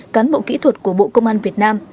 cán bộ kỹ thuật của bộ công an việt nam